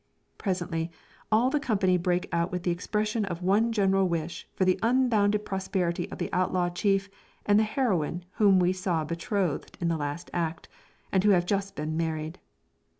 Presently all the company break out with the expression of one general wish for the unbounded prosperity of the outlaw chief and the heroine whom we saw betrothed in the last act, and who have just been married.